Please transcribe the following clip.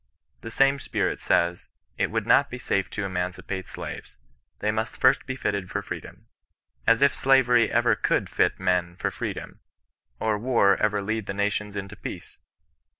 The same spirit says, * It would not be safe to emancipate slaves ; they must first be fitted for freedom.' As if slavery ever cordd fit men for free dom, or war ever lead the nations into peace